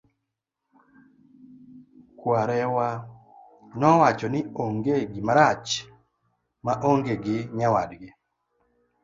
kwarewa nowacho ni onge gimarach ma onge gi nyawadgi